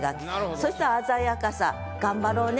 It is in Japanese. そしたら鮮やかさ頑張ろうね